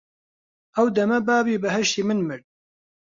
ئەو دەمە بابی بەهەشتی من مرد